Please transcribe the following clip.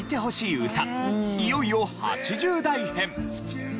いよいよ８０代編。